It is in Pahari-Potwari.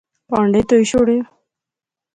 پہانڈے تہوئی شوڑو